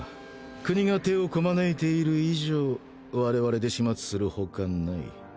国が手をこまねいている以上我々で始末する他ない。